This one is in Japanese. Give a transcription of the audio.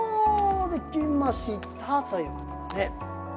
できましたということだね。